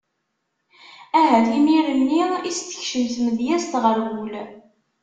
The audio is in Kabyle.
Ahat imir-nni i s-tekcem tmedyazt ɣer wul.